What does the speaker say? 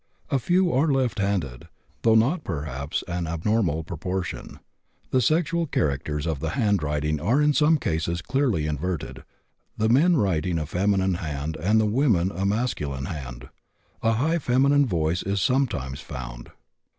A few are left handed, though not perhaps an abnormal proportion. The sexual characters of the handwriting are in some cases clearly inverted, the men writing a feminine hand and the women a masculine hand. A high feminine voice is sometimes found.